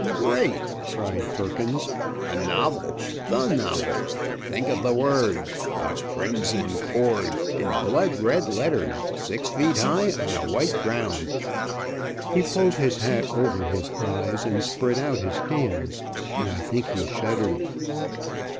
"Great!" cried Perkins. "A novel! The novel! Think of the words 'A Crimson Cord' in blood red letters six feet high on a white ground!" He pulled his hat over his eyes, and spread out his hands; and I think he shuddered.